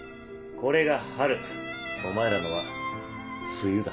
これが『春』お前らのは「梅雨」だ。